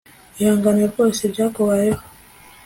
ihangane rwose ibyakubayeho